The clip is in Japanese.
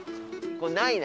これないな。